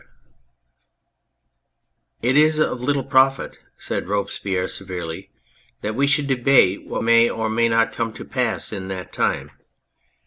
272 " IT is of little profit," said Robespierre severely, " that we should debate what may or may not come to pass in that time.